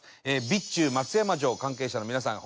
備中松山城関係者の皆さん